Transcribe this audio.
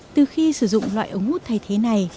từ khi sử dụng loại ống hút thay thế này